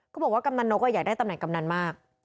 ก็บอกว่ากำลังนกอะอยากได้ตำแหน่งกำลังมาก